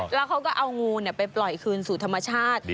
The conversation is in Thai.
แล้วเขาก็เอางูไปปล่อยคืนสู่ธรรมชาติ